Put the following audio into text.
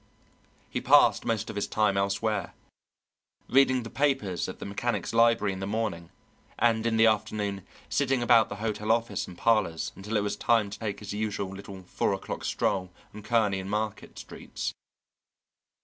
He passed most of his time elsewhere, reading the papers at the Mechanics Library in the morning, and in the afternoon sitting about the hotel office and parlours until it was time to take his usual little four o'clock stroll on Kearney and Market streets.